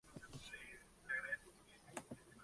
Vivió en su residencia arzobispal de la Acrópolis.